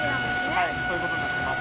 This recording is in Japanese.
はいそういうことになってます。